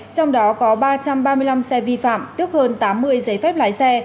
trong đó có ba trăm ba mươi năm xe vi phạm tức hơn tám mươi giấy phép lái xe